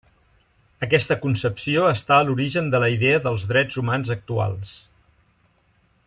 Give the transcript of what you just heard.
Aquesta concepció està a l'origen de la idea dels drets humans actuals.